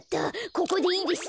ここでいいです。